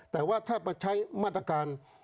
แต่ว่าถ้ามาใช้มาตรการ